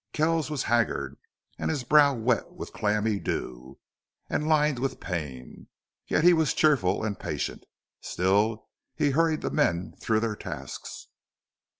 Kells was haggard, and his brow wet with clammy dew, and lined with pain. Yet he was cheerful and patient. Still he hurried the men through their tasks.